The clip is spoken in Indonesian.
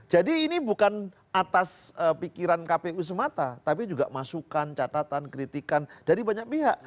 jadi ini bukan atas pikiran kpu semata tapi juga masukan catatan kritikan dari banyak pihak